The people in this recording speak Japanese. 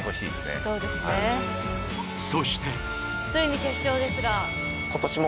そして。